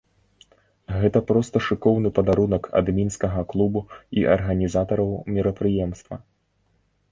Гэта проста шыкоўны падарунак ад мінскага клубу і арганізатараў мерапрыемства.